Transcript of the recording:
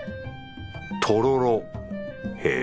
とろろへぇ